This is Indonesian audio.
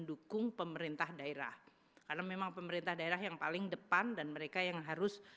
dukung pemerintah daerah karena memang pemerintah daerah yang paling depan dan mereka yang harus